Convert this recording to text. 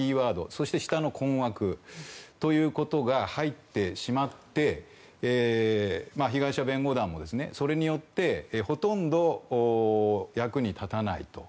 そして、困惑ということが入ってしまって被害者弁護団も、それによってほとんど役に立たないと。